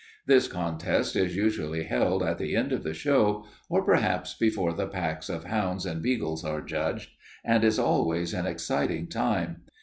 This contest is usually held at the end of the show, or perhaps before the packs of hounds and beagles are judged, and it is always an exciting time.